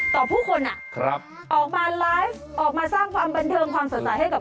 ต่อผู้คนนะครับออกมาไลฟ์ออกมาสร้างความบันเติมความสนใจให้มันให้แบบ